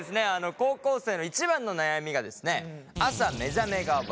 高校生の一番の悩みがですねまあまあまあ。